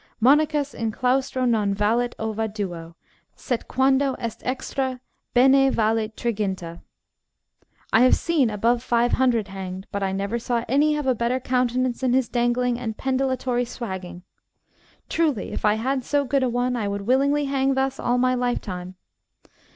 Monachus in claustro non valet ova duo; sed quando est extra, bene valet triginta. I have seen above five hundred hanged, but I never saw any have a better countenance in his dangling and pendilatory swagging. Truly, if I had so good a one, I would willingly hang thus all my lifetime.